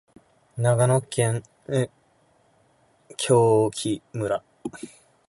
長野県喬木村